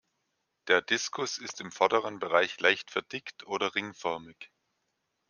Der Diskus ist im vorderen Bereich leicht verdickt oder ringförmig.